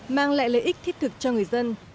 mang lại lợi ích thiết thực cho người dân